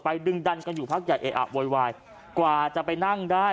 ดึงดันกันอยู่พักใหญ่เออะโวยวายกว่าจะไปนั่งได้